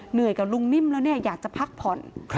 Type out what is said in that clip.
เหนื่อยกับลุงนิ่มแล้วเนี่ยอยากจะพักผ่อน